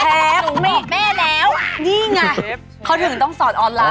แทบตรงแม่แล้วนี่ไงเขาถึงต้องสอนออนไลน์